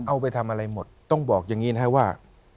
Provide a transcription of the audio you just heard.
เอาไปทำอะไรหมดต้องบอกอย่างนี้นะครับว่า